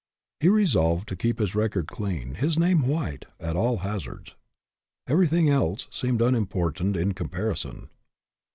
He re solved to keep his record clean, his name white, at all hazards. Everything else seemed unim portant in comparison.